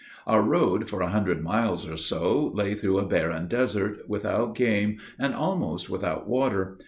Our road, for a hundred miles or so, lay through a barren desert, without game, and almost without water.